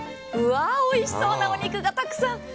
うわー、おいしそうなお肉がたくさん。